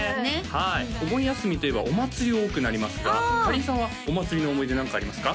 はいお盆休みといえばお祭り多くなりますがかりんさんはお祭りの思い出何かありますか？